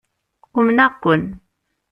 Umneɣ-ken.